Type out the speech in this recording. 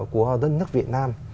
của đất nước việt nam